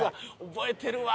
覚えてるわ！